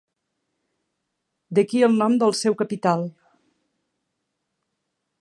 D'aquí el nom del seu capital: